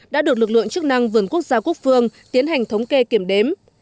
đã được lực lượng chức năng vườn quốc gia quốc phương tiến hành thống kê kiểm đếm